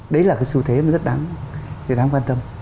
đấy là cái xu thế mà rất đáng quan tâm